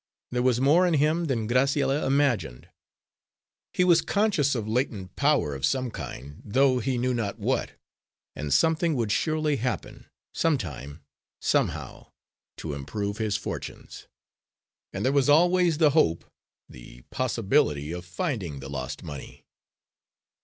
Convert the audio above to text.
There was more in him than Graciella imagined; he was conscious of latent power of some kind, though he knew not what, and something would surely happen, sometime, somehow, to improve his fortunes. And there was always the hope, the possibility of finding the lost money.